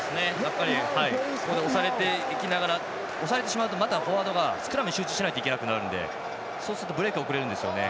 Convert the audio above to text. ここで押されてしまうとまたフォワードがスクラムに集中しないといけなくなるのでそうするとブレイクが遅れるんですよね。